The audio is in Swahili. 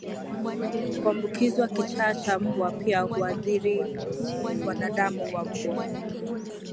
kuambukizwa kichaa cha mbwa Pia huathiri wanadamu na mbwa